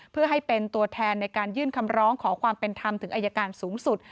เพื่อให้เป็นตัวแทนในการยื่นคำร้องขอความเป็นธรรมถึงอายการสูงสุด